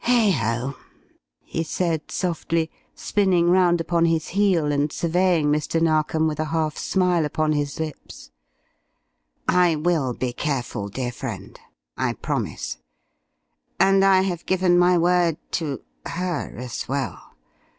"Heigho!" he said, softly, spinning round upon his heel and surveying Mr. Narkom with a half smile upon his lips. "I will be careful, dear friend. I promise. And I have given my word to her as well.